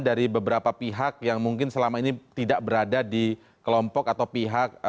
dari beberapa pihak yang mungkin selama ini tidak berada di kelompok atau pihak